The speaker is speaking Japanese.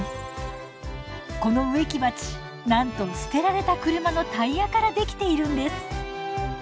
この植木鉢なんと捨てられた車のタイヤから出来ているんです。